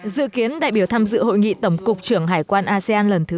dự kiến đại biểu tham dự hội nghị tổng cục trưởng hải quan asean lần thứ ba mươi ba